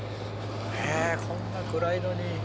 えっこんな暗いのに。